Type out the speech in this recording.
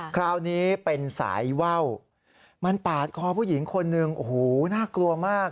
คราวนี้เป็นสายว่าวมันปาดคอผู้หญิงคนหนึ่งโอ้โหน่ากลัวมาก